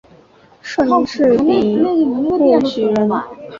顺治丙戌举人。